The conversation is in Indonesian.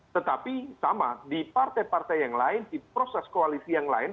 tetapi sama di partai partai yang lain di proses koalisi yang lain